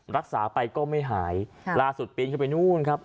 รักษาไปก็ไม่หายล่าสุดปีนเข้าไปนู่นครับ